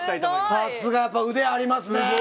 さすが腕ありますね。